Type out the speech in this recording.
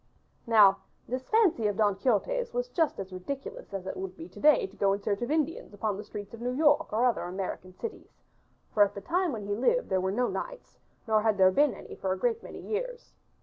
Now this fancy of Don Quixote's was just as ridiculous as it would be to day to go in search of Indians upon the streets of New York or other American cities, for at the time when he lived there were no knights, nor had there been any for a great many years.